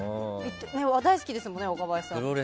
大好きですもんね、若林さん。